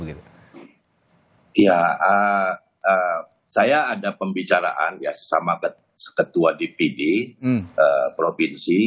ya saya ada pembicaraan ya sesama ketua dpd provinsi